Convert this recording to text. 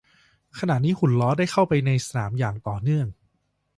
ขณะนี้หุ่นล้อได้เข้าไปในสนามอย่างต่อเนื่อง